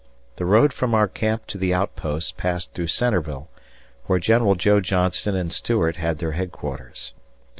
The road from our camp to the outpost passed through Centreville, where General Joe Johnston and Stuart had their headquarters.